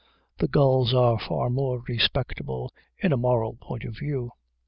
The gulls are far more respectable, in a moral point of view.